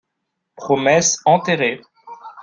Promesse enterrée